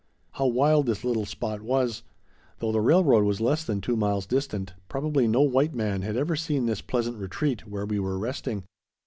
How wild this little spot was! Though the railroad was less than two miles distant, probably no white man had ever seen this pleasant retreat where we were resting.